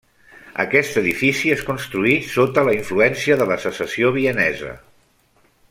Aquest edifici es construí sota la influència de la Secessió vienesa.